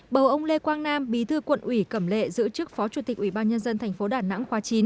bầu ông lê quang nam bí thư quận ủy cẩm lệ giữ chức phó chủ tịch ủy ban nhân dân tp đà nẵng khóa chín